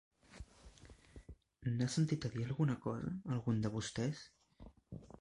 N'ha sentit dir alguna cosa? Algun de vostès?